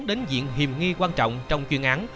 đến diện hiềm nghi quan trọng trong chuyên án